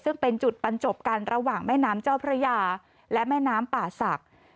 ซึ่งเป็นจุดบรรจบกันระหว่างแม่น้ำเจ้าพระยาและแม่น้ำป่าศักดิ์